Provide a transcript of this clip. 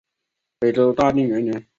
北周大定元年。